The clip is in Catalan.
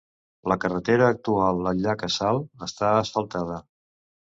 La carretera actual al llac Assal està asfaltada.